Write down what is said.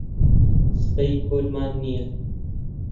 سبەی پۆلمان نییە.